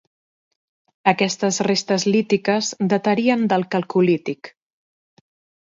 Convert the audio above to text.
Aquestes restes lítiques datarien del calcolític.